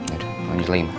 aduh lanjut lagi ma